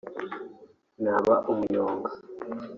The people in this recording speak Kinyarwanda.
Naba Umuyonga